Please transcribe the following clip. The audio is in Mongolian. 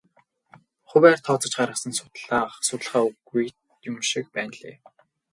Хувиар тооцож гаргасан судалгаа үгүй юм шиг байна лээ.